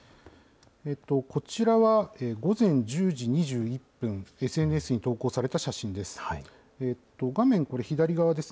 こちらは午前１０時２１分、ＳＮＳに投稿された写真です。